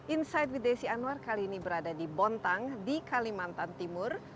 insight with desi anwar kali ini berada di bontang di kalimantan timur